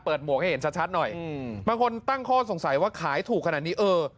หมวกให้เห็นชัดชัดหน่อยอืมบางคนตั้งข้อสงสัยว่าขายถูกขนาดนี้เออ